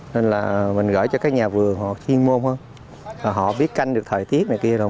nên là mình gửi cho các nhà vườn họ chuyên môn hơn và họ biết canh được thời tiết này kia rồi